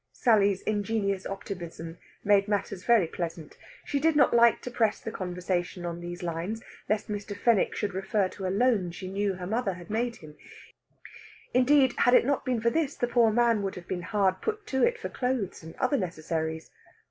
Sally's ingenious optimism made matters very pleasant. She did not like to press the conversation on these lines, lest Mr. Fenwick should refer to a loan she knew her mother had made him; indeed, had it not been for this the poor man would have been hard put to it for clothes and other necessaries.